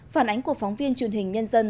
phản ánh của phóng viên truyền hình nhân dân